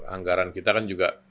anggaran kita kan juga